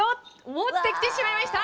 持ってきてしまいました。